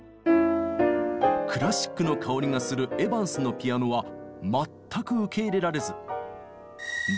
クラシックの薫りがするエヴァンスのピアノは全く受け入れられずうん。